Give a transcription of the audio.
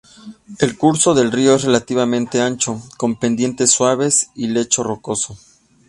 El curso del río es relativamente ancho, con pendientes suaves y lecho rocoso.